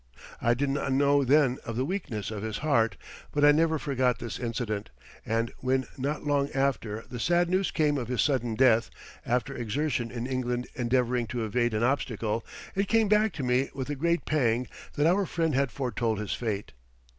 I did not know then of the weakness of his heart, but I never forgot this incident, and when not long after the sad news came of his sudden death, after exertion in England endeavoring to evade an obstacle, it came back to me with a great pang that our friend had foretold his fate.